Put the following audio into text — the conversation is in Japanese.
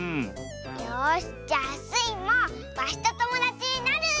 よしじゃあスイもワシとともだちになる！